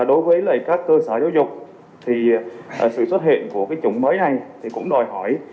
đối với các cơ sở giáo dục thì sự xuất hiện của chống mới này cũng đòi hỏi